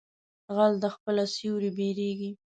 غل د خپله سوري بيرېږي.